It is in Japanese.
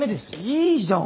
いいじゃん。